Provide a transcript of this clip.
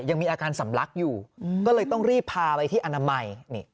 ยังมีอาการสำลักอยู่ก็เลยต้องรีบพาไปที่อนามัย